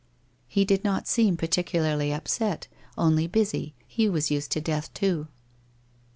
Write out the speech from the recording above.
He did not seem particularly upset, only busy, he was used to death too.